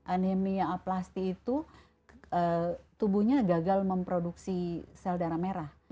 anemia aplastik itu tubuhnya gagal memproduksi sel darah merah